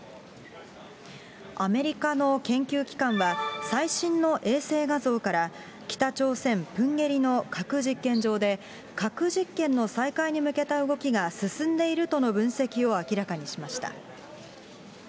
アメリカの研究機関は、最新の衛星画像から、北朝鮮・プンゲリの核実験場で、核実験の再開に向けた動きが進んでいるとの分析を明らかにしました。